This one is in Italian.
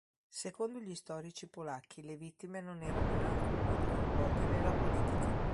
Secondo gli storici polacchi le vittime non erano in alcun modo coinvolte nella politica.